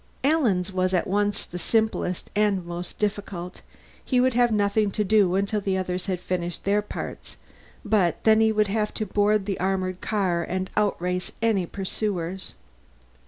Alan's was at once the simplest and most difficult; he would have nothing to do until the others had finished their parts, but then he would have to board the armored car and outrace any pursuers.